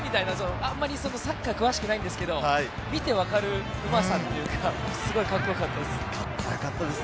あまりサッカー詳しくないんですけど、見て分かるうまさというか、すごくカッコよかったです。